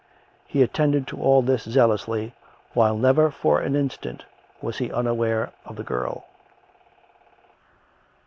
He attended to all this zealously, while never for an instant was he unaware of the girl.